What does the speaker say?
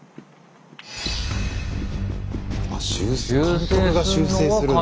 監督が修正するんだ。